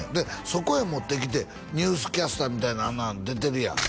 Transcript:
そこへもってきて「ニュースキャスター」みたいなあんなん出てるやん？